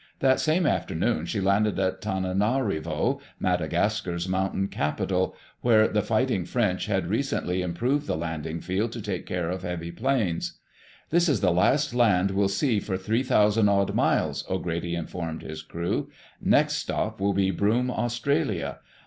That same afternoon she landed at Tananarivo, Madagascar's mountain capital, where the Fighting French had recently improved the landing field to take care of heavy planes. "This is the last land we'll see for three thousand odd miles," O'Grady informed his crew. "Next stop will be Broome, Australia.